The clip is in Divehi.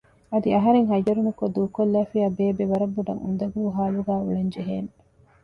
އަދި އަހަރެން ހައްޔަރުނުކޮށް ދޫކޮށްލައިފިއްޔާ ބޭބެ ވަރަށްބޮޑަށް އުނދަގޫ ހާލުގައި އުޅެން ޖެހޭނެ